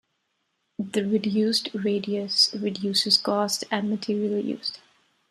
The reduced radius reduces cost and materials used.